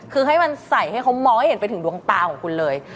คือให้มันใส่ให้เขามองให้เห็นไปถึงดวงตาของคุณเลย